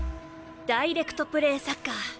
ダイレクトプレーサッカー。